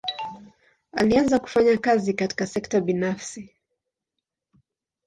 Alianza kufanya kazi katika sekta binafsi.